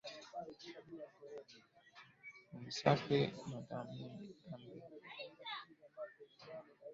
Hunisafi na dhambi.